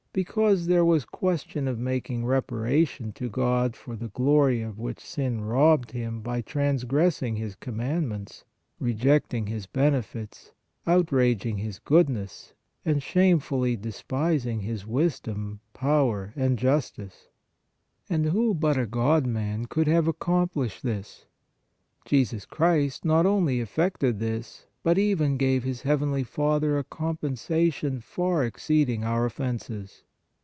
Because there was ques tion of making reparation to God for the glory of which sin robbed Him by transgressing His com mandments, rejecting His benefits, outraging His goodness and shamefully despising His wisdom, power and justice. And who but a God Man could have accomplished this? Jesus Christ not only effected this, but even gave His heavenly Father a compensation far exceeding our offenses.